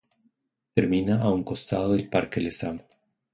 Termina a un costado del Parque Lezama.